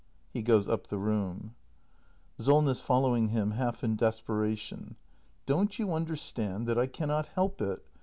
[He goes up the room. Solness. [Following him,, half in desperation.] Don't you un derstand that I cannot help it